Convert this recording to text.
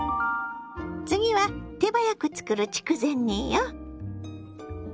次は手早く作る筑前煮よ。